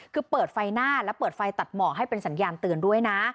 คือเปิดไฟหน้าและเปิดไฟตัดหมอกให้เป็นสัญญาณเตือนด้วยนะ